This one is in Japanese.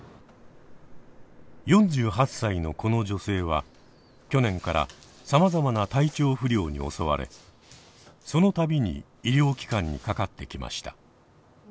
４８歳のこの女性は去年からさまざまな体調不良に襲われその度に医療機関にかかってきました。